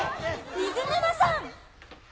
水沼さん！